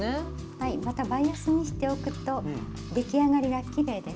はいまたバイアスにしておくと出来上がりがきれいです。